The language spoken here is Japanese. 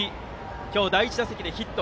今日第１打席でヒット。